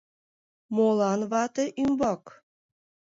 — Молан вате ӱмбак?